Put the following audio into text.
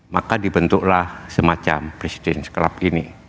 maka dibentuklah semacam presiden club ini